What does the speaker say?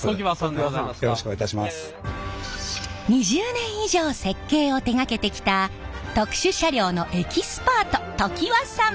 ２０年以上設計を手がけてきた特殊車両のエキスパート常盤さん！